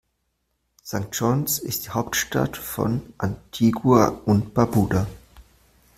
St. John’s ist die Hauptstadt von Antigua und Barbuda.